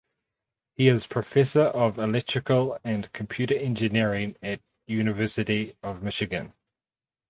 He is Professor of Electrical and Computer Engineering at University of Michigan.